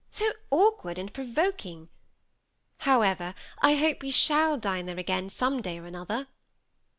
So awkward and provoking ! However, I hope we shall dine there again some day or another."